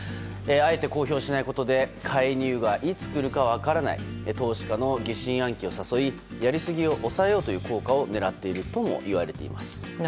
あえて公表しないことで介入がいつ来るか分からない投資家の疑心暗鬼を誘いやりすぎを抑えようという効果を狙っているともいわれています。